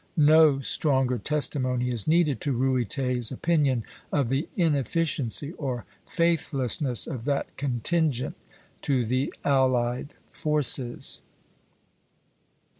" No stronger testimony is needed to Ruyter's opinion of the inefficiency or faithlessness of that contingent to the allied forces.